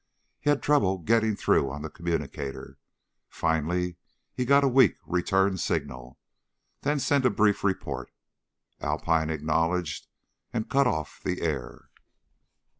He had trouble getting through on the communicator. Finally he got a weak return signal, then sent a brief report. Alpine acknowledged and cut off the air.